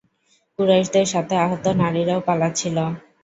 কুরাইশদের সাথে আহত নারীরাও পালাচ্ছিল।